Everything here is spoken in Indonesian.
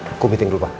aku meeting dulu pak